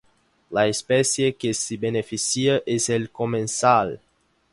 La especie que se beneficia es el comensal.